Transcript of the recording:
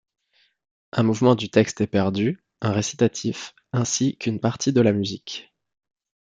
Un mouvement du texte est perdu, un récitatif, ainsi qu'une partie de la musique.